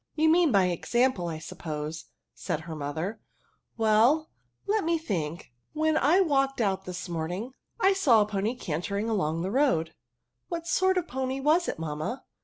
'^ You mean an example, I suppose/* said her mother ;" well, let me think ; when I walked out this morning I saw a ppny eanferiifg' along the road." ^' What sort of pony was it, mamma?